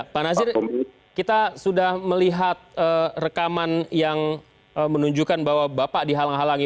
pak nazir kita sudah melihat rekaman yang menunjukkan bahwa bapak dihalang halangi